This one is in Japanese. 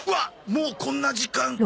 もうこんな時間。